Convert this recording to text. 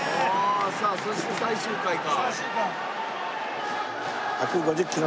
さあそして最終回か。